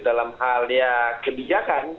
dalam hal kebijakan